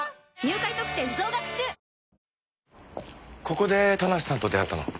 ここで田無さんと出会ったの？